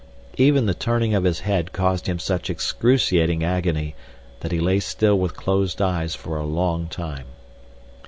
Even the turning of his head caused him such excruciating agony that he lay still with closed eyes for a long time.